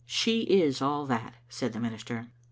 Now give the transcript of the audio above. "She is all that," said the minister.